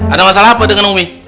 ada masalah apa dengan umi